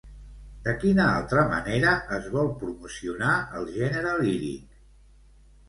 De quina altra manera es vol promocionar el gènere líric?